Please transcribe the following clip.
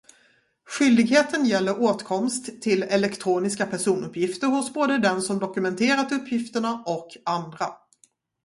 Skyldigheten gäller åtkomst till elektroniska personuppgifter hos både den som dokumenterat uppgifterna och andra.